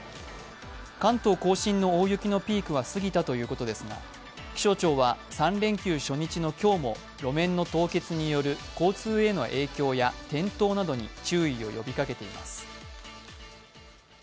関東甲信の大雪のピークは過ぎたということですが、気象庁は３連休初日の今日も路面の凍結による交通への影響や転倒などに注意を呼びかけています。